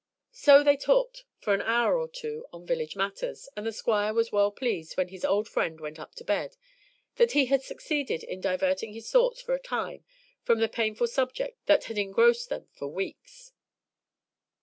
So they talked for an hour or two on village matters, and the Squire was well pleased, when his old friend went up to bed, that he had succeeded in diverting his thoughts for a time from the painful subject that had engrossed them for weeks.